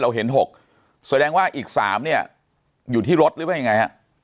เห็น๖แสดงว่าอีก๓เนี่ยอยู่ที่รถหรือว่ายังไงฮะ